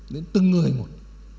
đến từng người một